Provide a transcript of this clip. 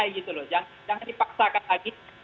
jangan dipaksakan lagi